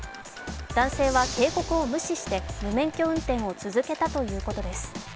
男性は警告を無視して無免許運転を続けたということです。